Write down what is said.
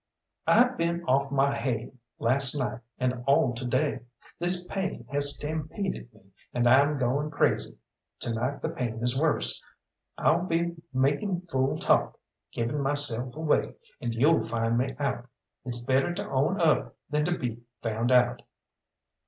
"I've been off my haid last night and all to day. This pain has stampeded me, and I'm goin' crazy. To night the pain is worse. I'll be making fool talk, giving myself away, and you'll find me out. It's better to own up than to be found out."